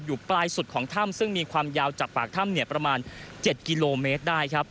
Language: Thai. อยู่ปลายสุดของถ้ำซึ่งมีความยาวจากปากถ้ำประมาณ๗กิโลเมตรได้ครับ